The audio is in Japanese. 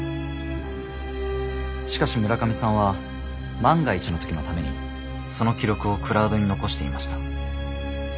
しかし村上さんは万が一の時のためにその記録をクラウドに残していました。